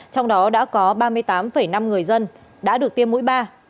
trong đó đã có ba mươi tám năm người dân đã được tiêm mũi ba